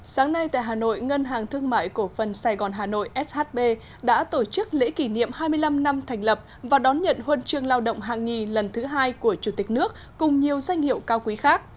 sáng nay tại hà nội ngân hàng thương mại cổ phần sài gòn hà nội shb đã tổ chức lễ kỷ niệm hai mươi năm năm thành lập và đón nhận huân chương lao động hạng nhì lần thứ hai của chủ tịch nước cùng nhiều danh hiệu cao quý khác